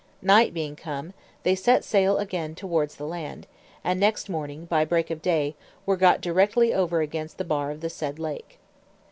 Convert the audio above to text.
Night being come, they set sail again towards the land, and next morning, by break of day, were got directly over against the bar of the said lake.